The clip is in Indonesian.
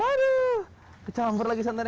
aduh kecamper lagi santannya